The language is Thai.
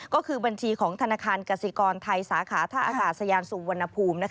ก็คือบัญชีของธนาคารกสิกรไทยสาขาท่าอากาศยานสุวรรณภูมิ